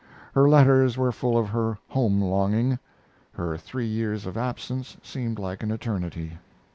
Her letters were full of her home longing; her three years of absence seemed like an eternity.